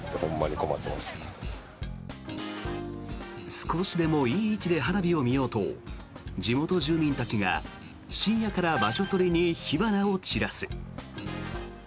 少しでもいい位置で花火を見ようと地元住民たちが、深夜から場所取りに火花を散らす。